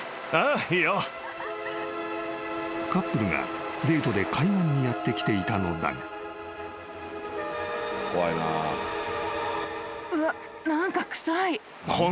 ［カップルがデートで海岸にやって来ていたのだが］うわ。